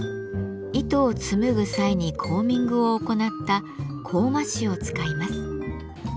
糸を紡ぐ際にコーミングを行った「コーマ糸」を使います。